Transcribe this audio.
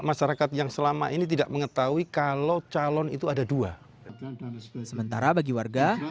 masyarakat yang selama ini tidak mengetahui kalau calon itu ada dua sementara bagi warga